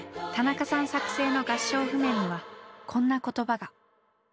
田中さん作成の合唱譜面にはこんな言葉が。